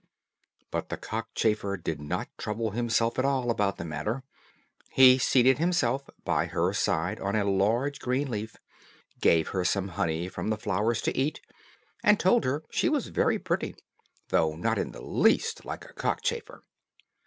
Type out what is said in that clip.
But the cockchafer did not trouble himself at all about the matter. He seated himself by her side on a large green leaf, gave her some honey from the flowers to eat, and told her she was very pretty, though not in the least like a cockchafer.